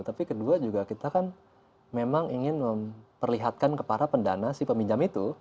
tapi kedua juga kita kan memang ingin memperlihatkan kepada pendana si peminjam itu